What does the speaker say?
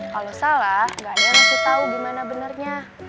kalau salah gak ada yang ngasih tau gimana benernya